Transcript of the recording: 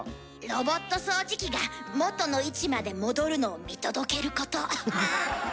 ロボット掃除機がもとの位置まで戻るのを見届けること。